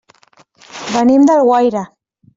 Venim d'Alguaire.